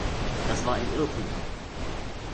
Das war ein Irrtum.